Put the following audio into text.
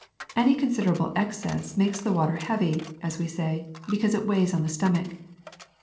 Any considerable excess makes the water heavy, as we say, because it weighs on the stomach.